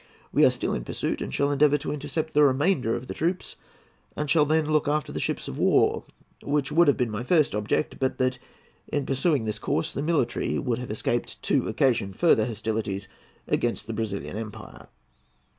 We are still in pursuit, and shall endeavour to intercept the remainder of the troops, and shall then look after the ships of war, which would have been my first object but that, in pursuing this course, the military would have escaped to occasion further hostilities against the Brazilian empire."